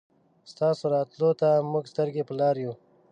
ستاسو راتلو ته مونږ سترګې په لار يو